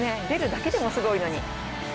出るだけでもすごいのに。